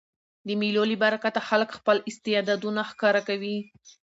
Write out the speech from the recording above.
د مېلو له برکته خلک خپل استعدادونه ښکاره کوي.